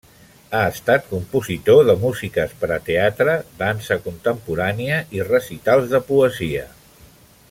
Ha estat compositor de músiques per a teatre, dansa contemporània i recitals de poesia.